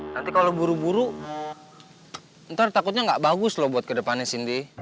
nanti kalau buru buru ntar takutnya nggak bagus loh buat kedepannya cindy